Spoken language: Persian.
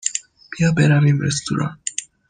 بیا برویم رستوران.